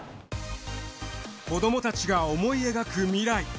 子どもたちが思い描く未来。